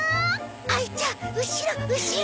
あいちゃん後ろ後ろ。